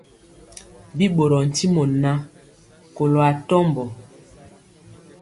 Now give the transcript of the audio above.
Bi ɓorɔɔ ntimɔ ŋan, kɔlo atɔmbɔ.